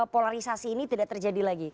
polarisasi ini tidak terjadi lagi